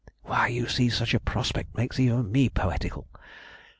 Why, you see such a prospect makes even me poetical.